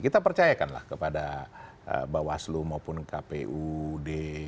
kita percayakanlah kepada bawaslu maupun kpud